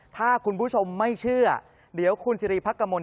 ถ้าคุณผู้ชมไม่เชื่อเดี๋ยวคุณซีรีย์พักกะมนต์